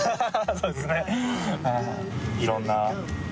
そうですね。